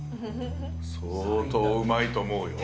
相当、うまいと思うよ。